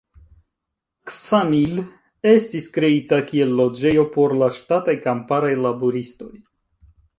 Ksamil estis kreita kiel loĝejo por la ŝtataj kamparaj laboristoj.